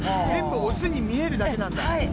全部オスに見えるだけなんだ。